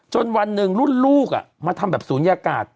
วันหนึ่งรุ่นลูกมาทำแบบศูนยากาศ